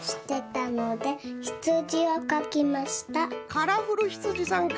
カラフルひつじさんか！